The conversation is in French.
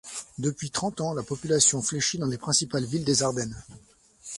Depuis trente ans, la population fléchit dans les principales villes des Ardennes.